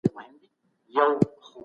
وزیرانو به د دوستۍ پیغامونه رسول.